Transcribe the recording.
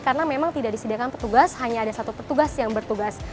karena memang tidak disediakan petugas hanya ada satu petugas yang bertugas